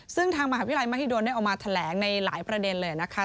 ซึ่งทางมหาวิทยาลัยมหิดลได้ออกมาแถลงในหลายประเด็นเลยนะคะ